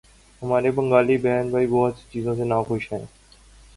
ہمارے بنگالی بہن بھائی بہت سی چیزوں سے ناخوش تھے۔